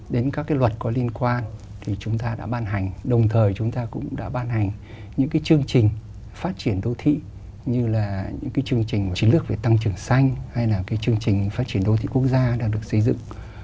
đến các cái luật có liên quan thì chúng ta đã ban hành đồng thời chúng ta cũng đã ban hành những chương trình phát triển đô thị như là những chương trình chiến lược về tăng trưởng xanh hay là cái chương trình phát triển đô thị quốc gia đang được xây dựng